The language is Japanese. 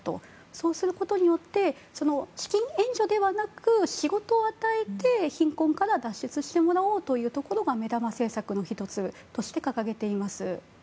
そうすることによって資金援助ではなく仕事を与えて、貧困から脱出してもらおうということを目玉政策の１つとして掲げています。